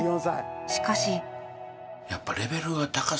しかし